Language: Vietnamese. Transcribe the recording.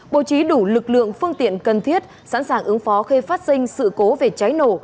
bố trí đủ lực lượng phương tiện cần thiết sẵn sàng ứng phó khi phát sinh sự cố về cháy nổ